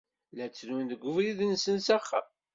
Llan ttrun deg ubrid-nsen s axxam.